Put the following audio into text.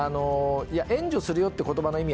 援助するよって言葉の意味